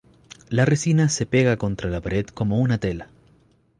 La resina se pega contra la pared como una tela.